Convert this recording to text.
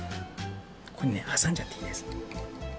ここにねはさんじゃっていいです。